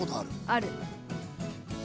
ある。